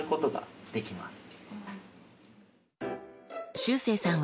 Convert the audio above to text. しゅうせいさんは